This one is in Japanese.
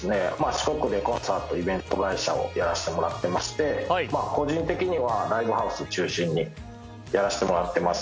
四国でコンサート・イベント会社をやらせてもらってまして個人的にはライブハウス中心にやらせてもらってます。